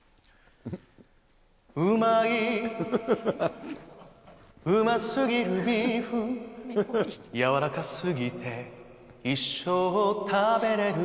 うまい、うますぎるビーフ、やわらかすぎて、一生食べれる。